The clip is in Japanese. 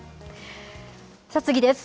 さあ、次です。